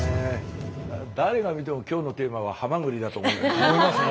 誰が見ても今日のテーマはハマグリだと思いますよね。